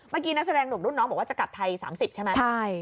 นักแสดงหนุ่มรุ่นน้องบอกว่าจะกลับไทย๓๐ใช่ไหม